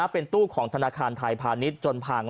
เป็นตู้ของธนาคารไทยพาณิชย์จนพัง